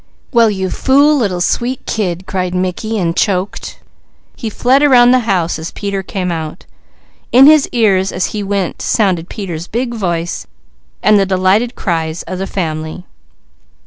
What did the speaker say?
"Well you fool little sweet kid!" cried Mickey and choked. He fled around the house as Peter came out. In his ears as he went sounded Peter's big voice and the delighted cries of the family.